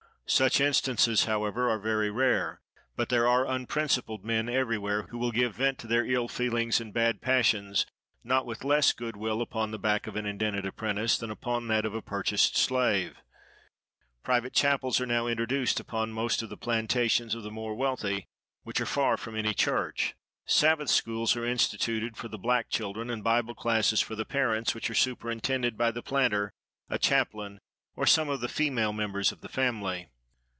Such instances, however, are very rare; but there are unprincipled men everywhere, who will give vent to their ill feelings and bad passions, not with less good will upon the back of an indented apprentice, than upon that of a purchased slave. Private chapels are now introduced upon most of the plantations of the more wealthy, which are far from any church; Sabbath schools are instituted for the black children, and Bible classes for the parents, which are superintended by the planter, a chaplain, or some of the female members of the family.